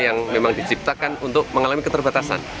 yang memang diciptakan untuk mengalami keterbatasan